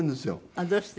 あっどうして？